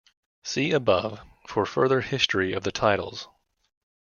See above for further history of the titles.